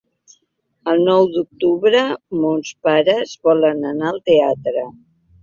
El nou d'octubre mons pares volen anar al teatre.